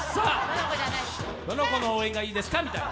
どの子の応援がいいですか、みたいな。